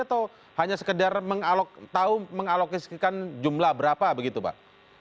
atau hanya sekedar tahu mengalokasikan jumlah berapa begitu pak